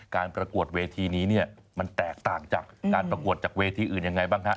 การประกวดเวทีนี้เนี่ยมันแตกต่างจากการประกวดจากเวทีอื่นยังไงบ้างฮะ